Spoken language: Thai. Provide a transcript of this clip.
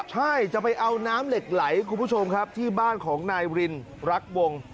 ใช่จะไปเอาน้ำเหล็กไหลคุณผู้ชมครับที่บ้านของนายรินรักวง